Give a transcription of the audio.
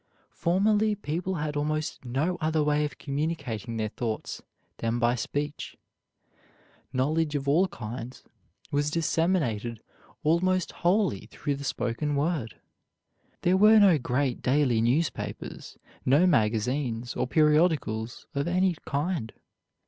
Formerly people had almost no other way of communicating their thoughts than by speech. Knowledge of all kinds was disseminated almost wholly through the spoken word. There were no great daily newspapers, no magazines or periodicals of any kind.